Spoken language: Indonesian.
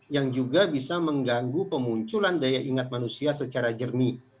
yang juga bisa mengganggu pemunculan daya ingat manusia secara jernih